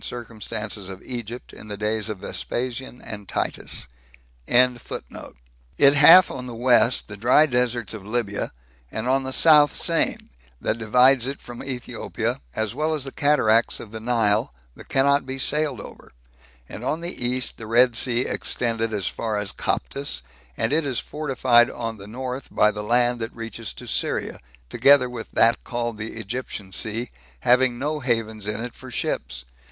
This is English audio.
It hath on the west the dry deserts of Libya; and on the south Siene, that divides it from Ethiopia, as well as the cataracts of the Nile, that cannot be sailed over; and on the east the Red Sea extended as far as Coptus; and it is fortified on the north by the land that reaches to Syria, together with that called the Egyptian Sea, having no havens in it for ships.